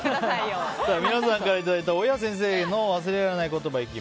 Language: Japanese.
皆さんからいただいた親・先生の忘れられない言葉